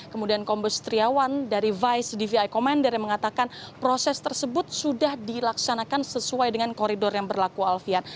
kemudian kombes triawan dari vice dvi commander yang mengatakan proses tersebut sudah dilaksanakan sesuai dengan koridor yang berlaku alfian